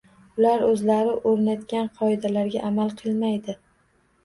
Ular o'zlari o'rnatgan qoidalarga amal qilmaydi